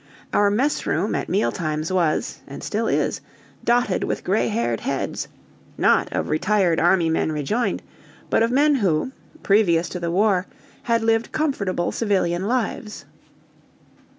Our mess room at meal times was, and still is, dotted with grey haired heads, not of retired army men rejoined, but of men who, previous to the war, had lived comfortable civilian lives.